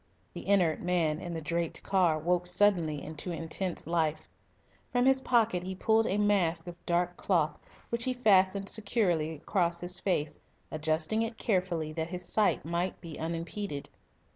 The inert man in the draped car woke suddenly into intense life. From his pocket he pulled a mask of dark cloth, which he fastened securely across his face, adjusting it carefully that his sight might be unimpeded.